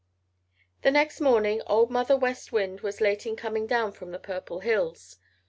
The next morning Old Mother West Wind was late in coming down from the Purple Hills.